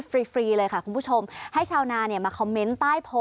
ฟรีเลยค่ะเขาชมให้ชาวนาเนี่ยมาป้าย